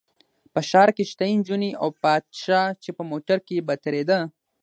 په ښار کې شته نجونې او پادشاه چې په موټر کې به تېرېده.